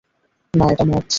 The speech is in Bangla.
না, এটা মথ।